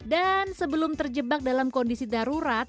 dan sebelum terjebak dalam kondisi darurat